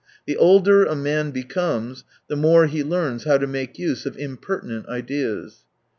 The older a man becomes, the more he learns how to make use of imper tinent ideas.